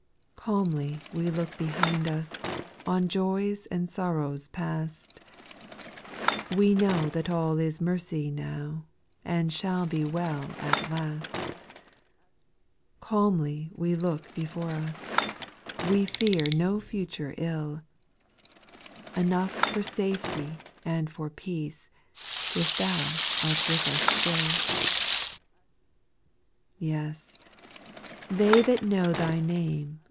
C. Calmly we look behind us, on jojs and sor rows past, We know that all is mercy now, and shall be well at last ; Calmlv we look before us, — we fear no future ill, Enough for safety and for peace, if Thau art with us still. 7 Yes, " they that know Thy name.